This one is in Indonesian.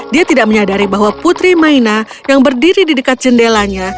dia tidak menyadari bahwa putri maina yang berdiri di dekat jendelanya